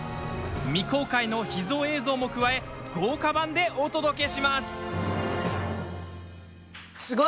未公開の秘蔵映像も加え豪華版でお届けします。